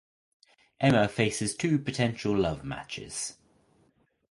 Emma faces two potential love matches.